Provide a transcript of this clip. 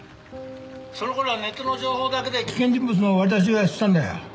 そのころはネットの情報だけで危険人物の割り出しをやってたんだよ。